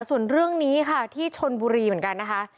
ส่วนเรื่องนี้ค่ะที่ชนบุรีเหมือนกันนะคะ